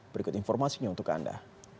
berikut informasinya untuk anda